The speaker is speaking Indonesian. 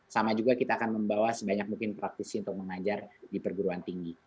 sama juga kita akan membawa sebanyak mungkin praktisi untuk mengajar di perguruan tinggi